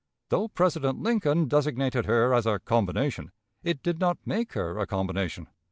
Though President Lincoln designated her as a "combination," it did not make her a combination.